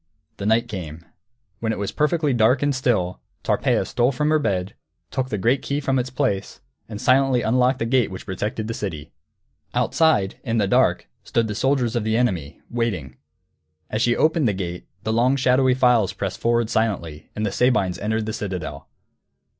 _ The night came. When it was perfectly dark and still, Tarpeia stole from her bed, took the great key from its place, and silently unlocked the gate which protected the city. Outside, in the dark, stood the soldiers of the enemy, waiting. As she opened the gate, the long shadowy files pressed forward silently, and the Sabines entered the citadel.